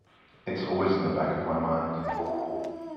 It's always in the back of my mind.